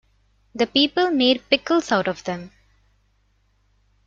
The people made pickles out of them.